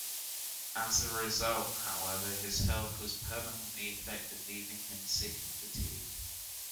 As a result, however, his health was permanently affected, leaving him sick and fatigued.